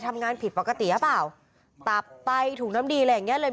ทำงานผิดปกติหรือเปล่าตับไตถุงน้ำดีอะไรอย่างเงี้เลย